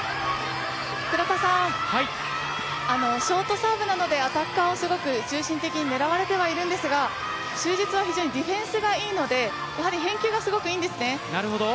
ショートサーブなのでアタッカーを中心的に狙われているんですが就実は非常にディフェンスがいいので返球がすごくいいんですね。